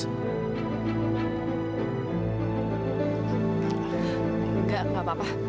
tidak tidak apa apa